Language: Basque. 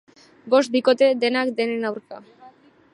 Bost bikote, denak denen aurka.